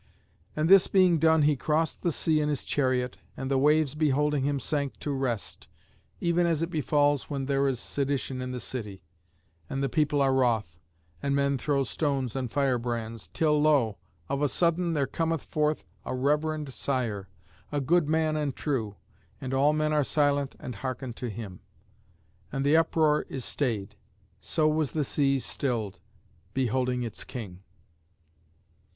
And this being done he crossed the sea in his chariot, and the waves beholding him sank to rest, even as it befalls when there is sedition in the city, and the people are wroth, and men throw stones and firebrands, till lo! of a sudden there cometh forth a reverend sire, a good man and true, and all men are silent and hearken to him; and the uproar is stayed. So was the sea stilled, beholding its king.